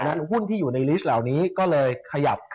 เป็นหุ้นใหญ่ทั้งนั้นเลย